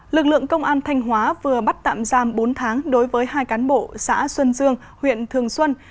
lực lượng công an thanh hóa vừa bắt tạm giam bốn tháng đối với hai cán bộ xã xuân dương huyện thường xuân